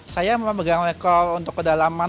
saya memegang lekol untuk kedalaman